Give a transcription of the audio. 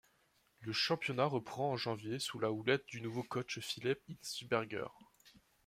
La championnat reprend en janvier sous la houlette du nouveau coach Philippe Hinschberger.